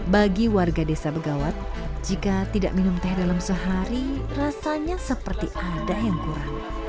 bagi warga desa begawat jika tidak minum teh dalam sehari rasanya seperti ada yang kurang